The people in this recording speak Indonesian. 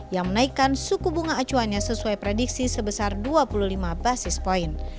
yang menaikkan suku bunga acuannya sesuai prediksi sebesar dua puluh lima basis point